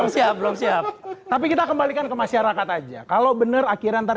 siap belum siap tapi kita kembalikan ke masyarakat aja kalau bener akhirnya ntar